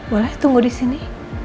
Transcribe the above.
boleh tunggu di sini